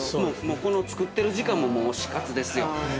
◆この作ってる時間も推し活ですよ。